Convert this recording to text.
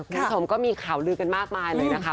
คุณผู้ชมก็มีข่าวลือกันมากมายเลยนะคะ